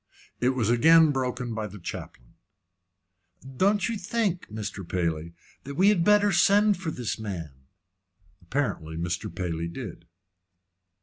It was again broken by the chaplain. "Don't you think, Mr. Paley, that we had better send for this man?" Apparently Mr. Paley did.